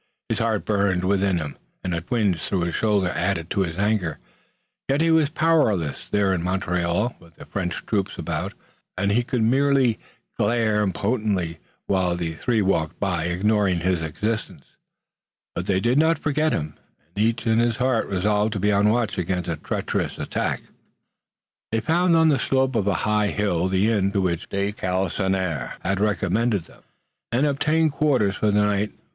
His heart burned within him and a twinge through his shoulder added to his anger. Yet he was powerless there in Montreal with the French troops about, and he could merely glare impotently while the three walked by ignoring his existence. But they did not forget him, and each in his heart resolved to be on watch against treacherous attack. They found on the slope of a high hill the inn to which de Galisonnière had recommended them, and obtained quarters for the night.